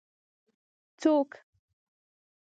څوک